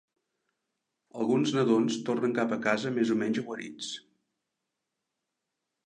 Alguns nadons tornen cap a casa, més o menys guarits.